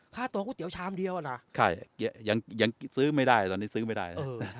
ค่าตัวก๋วยเตี๋ยวชามเดียวอ่ะนะใช่ยังซื้อไม่ได้ตอนนี้ซื้อไม่ได้